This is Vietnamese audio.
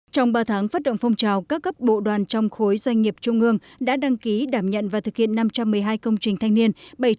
trong ba tháng phát động phong trào các cấp bộ đoàn trong khối doanh nghiệp trung ương đã đăng ký đảm nhận và thực hiện năm trăm một mươi hai công trình thanh niên